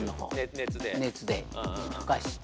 熱で溶かして。